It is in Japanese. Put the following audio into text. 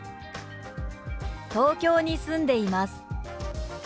「東京に住んでいます」。